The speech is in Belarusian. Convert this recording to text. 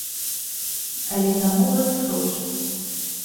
Але за моваю сочаць.